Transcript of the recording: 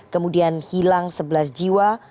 kemudian hilang sebelas jiwa